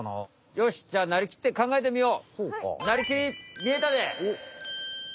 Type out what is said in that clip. よしじゃあなりきってかんがえてみよう！